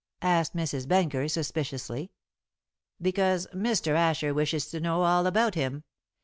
asked Mrs. Benker suspiciously. "Because Mr. Asher wishes to know all about him.